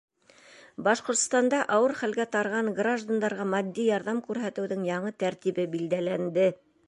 Башҡортостанда ауыр хәлгә тарыған граждандарға матди ярҙам күрһәтеүҙең яңы тәртибе билдәләнде.